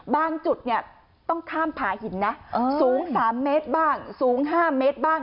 จุดเนี่ยต้องข้ามผาหินนะสูง๓เมตรบ้างสูง๕เมตรบ้าง